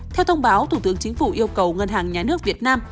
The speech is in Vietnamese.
theo thông báo thủ tướng chính phủ yêu cầu ngân hàng nhà nước việt nam